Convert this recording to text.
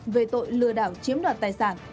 về tội lừa đảo chiếm đoạt tài sản